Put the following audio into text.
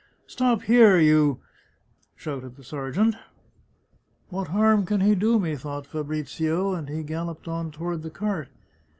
" Stop here, you " shouted the sergeant. " What harm can he do me ?" thought Fabrizio, and he galloped on toward the cart.